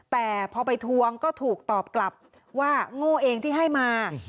แต่พอไปทวงก็ถูกตอบกลับว่าโง่เองที่ให้มา